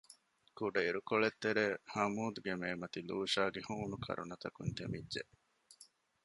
ކުޑަ ޢިރުކޮޅެއްތެރޭ ހަމޫދްގެ މޭމަތި ލޫޝާގެ ހޫނު ކަރުނަތަކުން ތެމިއްޖެ